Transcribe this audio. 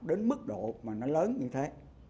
đến mức độ mà nó lớn như thế